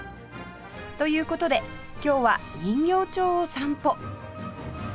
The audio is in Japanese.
という事で今日は人形町を散歩